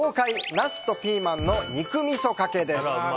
ナスとピーマンの肉みそかけです。